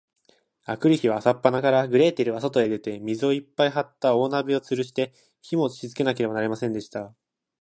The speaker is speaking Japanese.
あくる日は、朝っぱらから、グレーテルはそとへ出て、水をいっぱいはった大鍋をつるして、火をもしつけなければなりませんでした。